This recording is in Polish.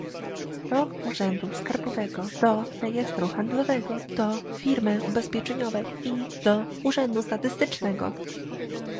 do urzędu skarbowego, do rejestru handlowego, do firmy ubezpieczeniowej i do urzędu statystycznego